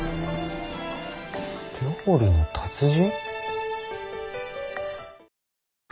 料理の達人？